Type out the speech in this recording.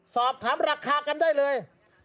สอบถามราคากันได้เลย